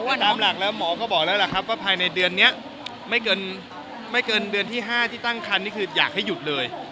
ตามหลักแล้วหมอก็บอกแล้วล่ะครับว่าภายในเดือนนี้ไม่เกินเดือนที่๕ที่ตั้งคันนี่คืออยากให้หยุดเลย